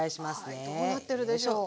はいどうなってるでしょう。